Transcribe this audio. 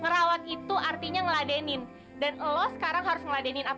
kamu turutin aja ya